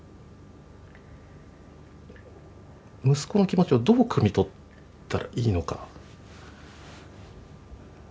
息子の気持ちをどうくみ取ったらいいのか。